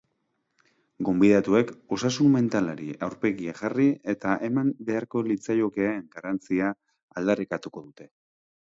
Gonbidatuek osasun mentalari aurpegia jarri eta eman beharko litzaiokeen garrantzia aldarrikatuko dute.